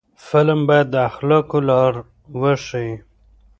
فلم باید د اخلاقو لار وښيي